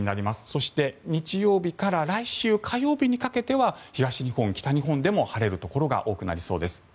そして日曜日から来週火曜日にかけては東日本、北日本でも晴れるところが多くなりそうです。